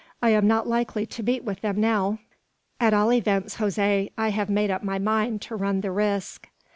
I am not likely to meet with them now. At all events, Jose, I have made up my mind to run the risk."